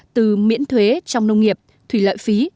từ miễn thuế trong nông nghiệp thủy lợi phí